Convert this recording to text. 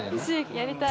やりたい！